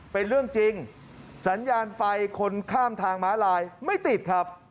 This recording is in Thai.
เป็นเรื่องจริงสัญญาณไฟคนข้ามทางม้าลายไม่ติดครับ